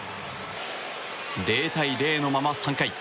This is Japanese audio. ０対０のまま３回。